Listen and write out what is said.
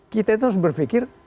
kita itu harus berpikir